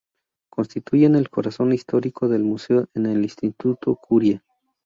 Constituyen el corazón histórico del museo en el Instituto Curie.